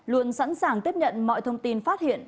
luôn sẵn sàng tiếp nhận mọi thông tin phát hiện